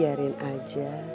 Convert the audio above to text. tepuk tangan bastards